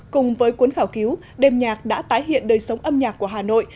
cùng với cuốn khảo cứu đêm nhạc đã tái hiện đời sống âm nhạc của hà nội